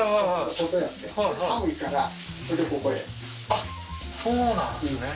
あっそうなんですね